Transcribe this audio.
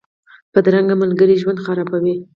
بدرنګه ملګري ژوند خرابوي